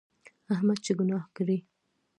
احمد چې ګناه کړي،